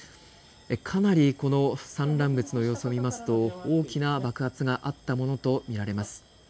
かなり、この散乱物の様子を見ますと大きな爆発があったものと見られます。